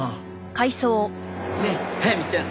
ねえ速水ちゃん